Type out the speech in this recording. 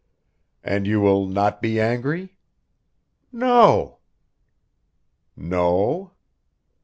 "And you will not be angry?" "No." "No?"